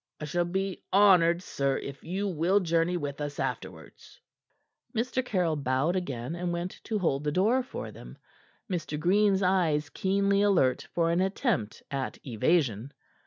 I shall be honored, sir, if you will journey with us afterwards." Mr. Caryll bowed again, and went to hold the door for them, Mr. Green's eyes keenly alert for an attempt at evasion.